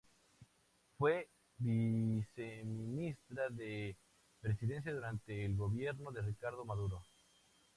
Fue viceministra de presidencia durante el gobierno de Ricardo Maduro.